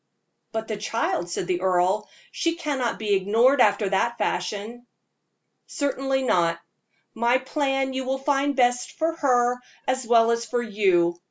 "But the child," said the earl "she cannot be ignored after that fashion." "Certainly not. My plan you will find best for her as well as for you.